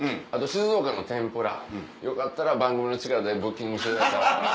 静岡の天ぷらよかったら番組の力でブッキングしてください。